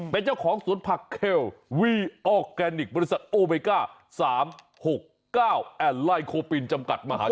เป็นเจ้าของสวนผักเคลวีออร์แกนิคบริษัทโอเมก้า๓๖๙แอนไล่โคปินจำกัดมหาชน